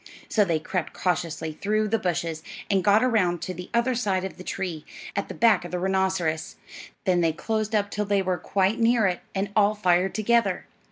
So they crept cautiously through the bushes and got around to the other side of the tree, at the back of the rhinoceros; then they closed up till they were quite near it, and all fired together.